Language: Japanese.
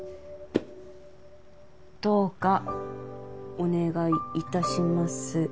どうかお願いいたします